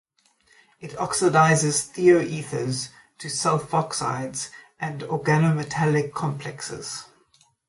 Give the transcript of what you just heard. It oxidizes thioethers to sulfoxides and organometallic complexes.